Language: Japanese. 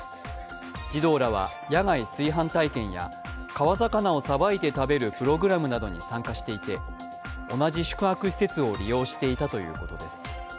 児童らは野外炊飯体験や川魚をさばいて食べるプログラムなどに参加していて、同じ宿泊施設を利用していたということです。